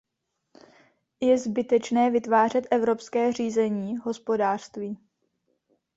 Je zbytečné vytvářet evropské řízení hospodářství.